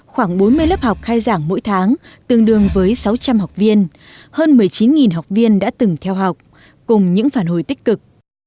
khoảng bốn mươi lớp học khai giảng mỗi tháng tương đương với sáu trăm linh học viên hơn một mươi chín học viên đã từng theo học cùng những phản hồi tích cực